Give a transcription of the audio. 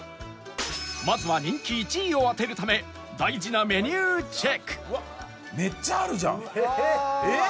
まずは人気１位を当てるため大事なメニューチェックうわーっ！